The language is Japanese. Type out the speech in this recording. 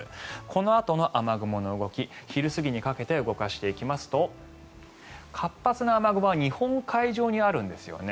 このあとの雨雲の動き昼過ぎにかけて動かしますと活発な雨雲は日本海上にあるんですね。